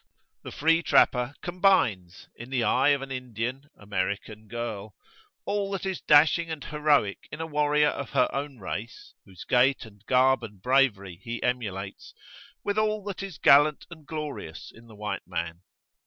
"The free trapper combines in the eye of an Indian (American) girl, all that is dashing and heroic in a warrior of her own race, whose gait and garb and bravery he emulates, with all that is gallant and glorious in the white man."